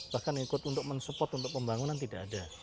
bahkan ikut untuk mensupport untuk pembangunan tidak ada